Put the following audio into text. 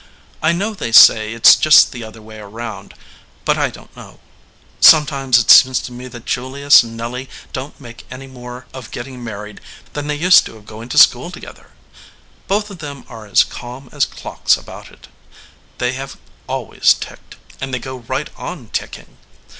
I know they say it s just the other way around, but I don t know. Sometimes it seems to me that Julius and Nelly don t make any more of getting married than they used to of going to school to gether. Both of them are as calm as clocks about it. They have always ticked, and they go right on ticking.